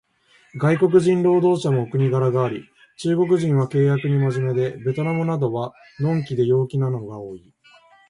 外国人労働者もお国柄があり、中国人は契約に真面目で、ベトナムなどは呑気で陽気なのが多い